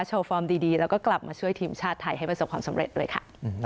ฟอร์มดีแล้วก็กลับมาช่วยทีมชาติไทยให้ประสบความสำเร็จด้วยค่ะ